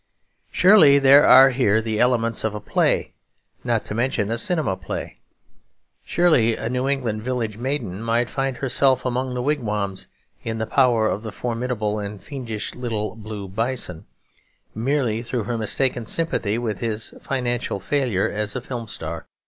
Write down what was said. Surely there are here the elements of a play, not to mention a cinema play. Surely a New England village maiden might find herself among the wigwams in the power of the formidable and fiendish 'Little Blue Bison,' merely through her mistaken sympathy with his financial failure as a Film Star.